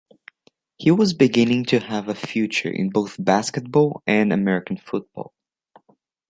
He was beginning to have a future in both basketball and American football.